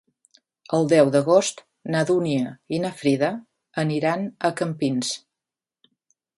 El deu d'agost na Dúnia i na Frida aniran a Campins.